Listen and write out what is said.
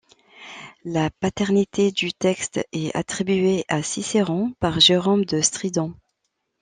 La paternité du texte est attribuée à Cicéron par Jérôme de Stridon.